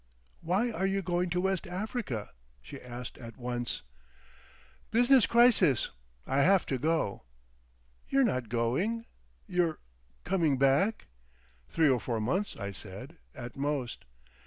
"Why are you going to West Africa?" she asked at once. "Business crisis. I have to go." "You're not going—? You're coming back?" "Three or four months," I said, "at most."